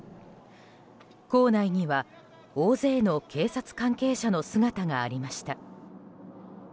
校内には大勢の警察関係者の姿がありました。